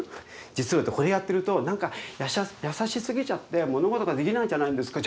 実を言うとこれやってると何か優しすぎちゃって物事ができないんじゃないですか？